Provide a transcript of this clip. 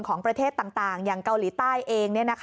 ของประเทศต่างอย่างเกาหลีใต้เอง